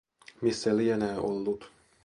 Missä lienee ollut.